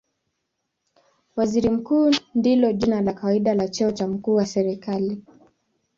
Waziri Mkuu ndilo jina la kawaida la cheo cha mkuu wa serikali.